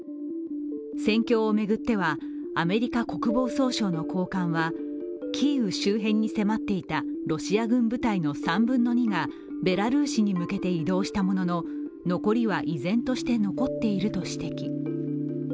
戦況を巡ってはアメリカ国防総省の高官はキーウ周辺に迫っていたロシア軍部隊の３分の２がベラルーシに向けて移動したものの、残りは依然として残っていると指摘。